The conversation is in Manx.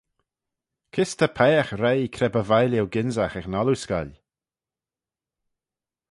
Kys ta peiagh reih cre by vie lhieu gynsagh ec yn ollooscoill?